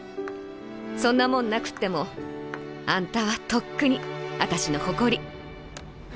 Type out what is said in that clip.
そんなもんなくってもあんたはとっくにあたしの誇り」。